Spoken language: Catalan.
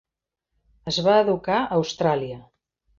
Es va educar a Austràlia.